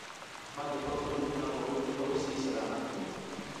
احمد له دوه کلونو ناروغۍ ورسته اوس صحیح صلامت دی.